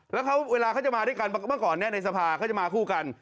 แล้วเวลาเขาจะมาด้วยกันเมื่อก่อนในสภาเขาจะมาคู่กัน